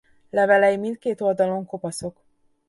Levelei mindkét oldalon kopaszok.